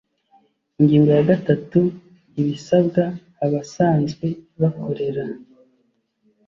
Ingingo ya gatatu Ibisabwa abasanzwe bakorera